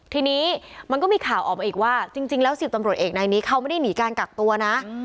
ทีนี้มันก็มีข่าวออกมาอีกว่าจริงแล้ว๑๐ตำรวจเอกนายนี้เขาไม่ได้หนีการกักตัวนะ